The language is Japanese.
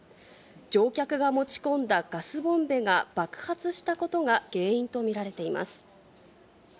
乗客が持ち込んだガスボンベが爆発したことが原因と見られています。